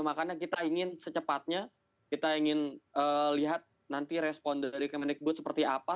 makanya kita ingin secepatnya kita ingin lihat nanti respon dari kemenikbud seperti apa